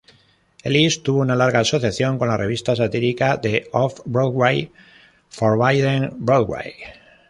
Ellis tuvo una larga asociación con la revista satírica de Off-Broadway, "Forbidden Broadway".